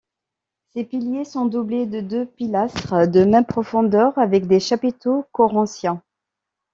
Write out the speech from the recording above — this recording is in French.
Ces piliers sont doublés de deux pilastres de même profondeur avec des chapiteaux corinthiens.